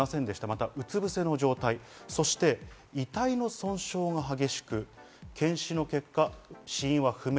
また、うつぶせの状態で遺体の損傷が激しく、検視の結果、死因は不明。